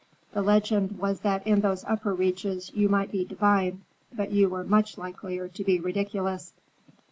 The legend was that in those upper reaches you might be divine; but you were much likelier to be ridiculous.